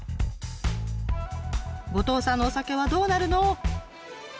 後藤さんのお酒はどうなるの？